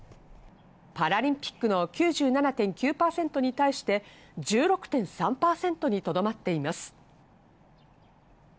パラリンピックの９７．９％に対して、１６．３％にとどまっています。